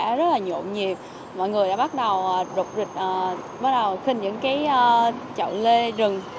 không khí tết đã rất là nhộn nhiệt mọi người đã bắt đầu rụt rịch bắt đầu khinh những cái chậu lê rừng